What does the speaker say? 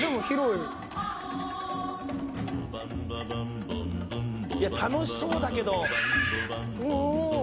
いや楽しそうだけど。